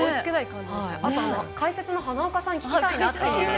解説の花岡さんに聞きたいなって。